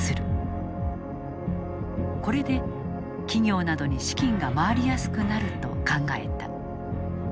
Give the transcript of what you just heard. これで企業などに資金が回りやすくなると考えた。